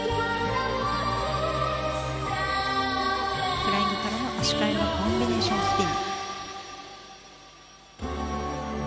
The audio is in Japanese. フライングからの足換えのコンビネーションスピン。